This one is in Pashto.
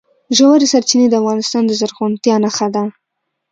ژورې سرچینې د افغانستان د زرغونتیا نښه ده.